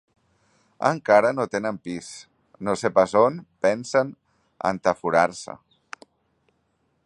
Encara no tenen pis: no sé pas on pensen entaforar-se.